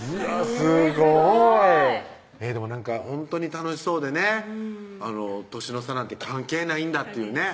すごいなんかほんとに楽しそうでねうん歳の差なんて関係ないんだっていうね